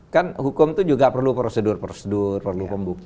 kan hukum itu juga perlu prosedur prosedur perlu pembuktian